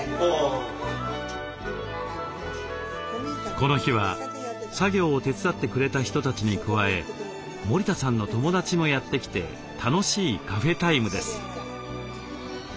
この日は作業を手伝ってくれた人たちに加え森田さんの友達もやって来て楽しいカフェタイムです。